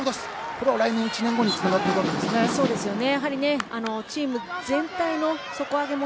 これが来年、１年後につながっていくわけですね。